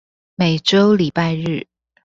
每週禮拜日